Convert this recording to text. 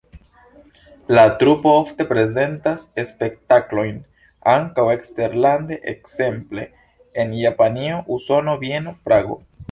La trupo ofte prezentas spektaklojn ankaŭ eksterlande, ekzemple en Japanio, Usono, Vieno, Prago.